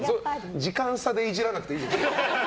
時間差でイジらなくていいです。